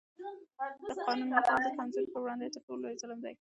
د قانون ماتول د کمزورو پر وړاندې تر ټولو لوی ظلم دی